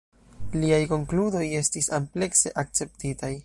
Liaj konkludoj estis amplekse akceptitaj.